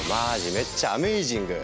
めっちゃアメイジング！